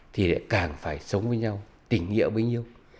thì càng phải sống với nhau tỉnh nghĩa với nhau